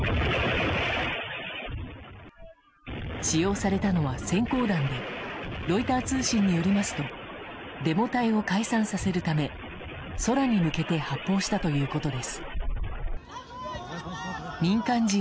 使用されたのは閃光弾でロイター通信によりますとデモ隊を解散させるため空に向けて発砲したということです。